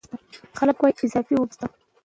خلک وايي اضافي اوبه نشته.